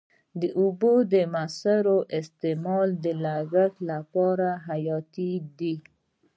د اوبو موثر استعمال د کښت لپاره حیاتي دی.